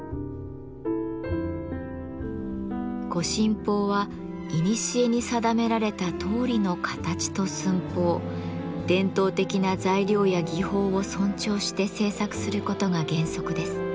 御神宝はいにしえに定められたとおりの形と寸法伝統的な材料や技法を尊重して制作することが原則です。